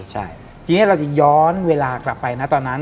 ใช่ทีนี้เราจะย้อนเวลากลับไปนะตอนนั้น